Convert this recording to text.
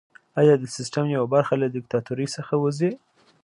ایا د سیستم یوه برخه له دیکتاتورۍ څخه وځي؟